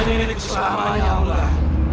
nilai keselamanya allah